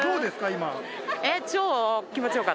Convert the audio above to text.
今。